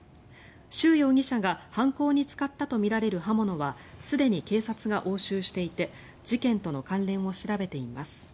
シュ容疑者が犯行に使ったとみられる刃物はすでに警察が押収していて事件との関連を調べています。